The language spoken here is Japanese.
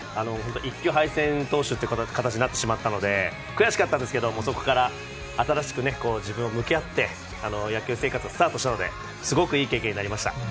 １球敗戦投手という形になってしまったので、悔しかったんですけれども、そこから新しく自分に向き合って、野球生活をスタートしたのですごくいい経験になりました。